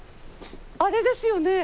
あれですよね？